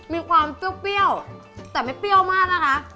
มีความเปรี้ยวแต่ไม่เปรี้ยวมากนะคะ